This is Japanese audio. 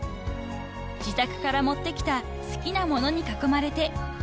［自宅から持ってきた好きな物に囲まれて］